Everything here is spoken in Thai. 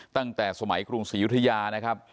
ตั้งแต่สมัยกรุงศรียุธยานะครับ